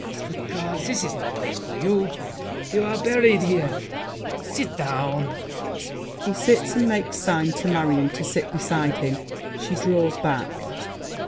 Good God! This is no place for you! You're buried here. Sit down! [He sits and makes sign to Marion to sit beside him; she draws back.